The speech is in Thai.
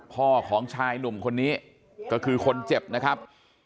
พ่อของชายหนุ่มคนนี้ก็คือคนเจ็บนะครับ